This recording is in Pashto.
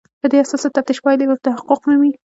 په دې اساس د تفتیش پایلې تحقق مومي.